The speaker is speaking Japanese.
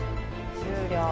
終了。